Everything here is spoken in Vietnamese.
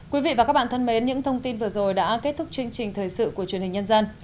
quý vị và các bạn thân mến những thông tin vừa rồi đã kết thúc chương trình thời sự của truyền hình nhân dân